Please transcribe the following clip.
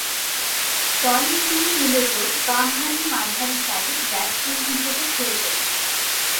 দলে তিনি মূলতঃ বামহাতি মাঝারিসারির ব্যাটসম্যান হিসেবে খেলতেন।